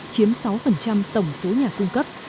chiếm sáu tổng số nhà cung cấp